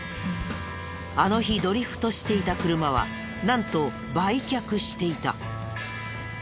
あの日ドリフトしていた車はなんと売却していた。